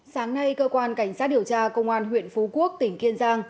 sáng nay cơ quan cảnh sát điều tra công an huyện phú quốc tỉnh kiên giang